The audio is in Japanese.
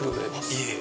いえ。